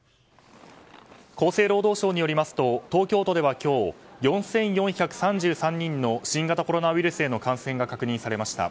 厚生労働省によりますと東京都では今日４４３３人の新型コロナウイルスへの感染が確認されました。